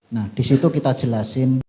nah di situ kita jelasin